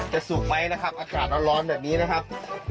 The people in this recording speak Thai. สูงไหมนะครับอากาศร้อนแบบนี้นะครับ